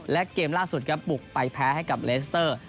และเกมล่าสุดครับบุกไปแพ้ให้กับเลสเตอร์